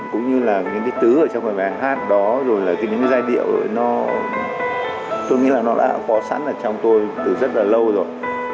cũng như là những cái tứ ở trong cái bài hát đó rồi là những cái giai điệu nó tôi nghĩ là nó đã có sẵn ở trong tôi từ rất là lâu rồi